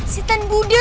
si tan budak